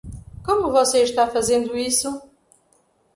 Como você está fazendo isso?